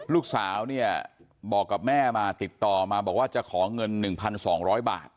ลูกสาวเนี่ยบอกกับแม่มาติดต่อมาบอกว่าจะขอเงิน๑๒๐๐บาท